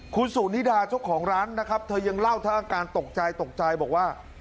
คุณสุนิดาเจ้าของร้านนะครับเธอยังเล่าทั้งอาการตกใจตกใจบอกว่า